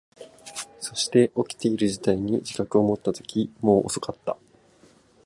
そして、起きている事態に自覚を持ったとき、もう遅かった。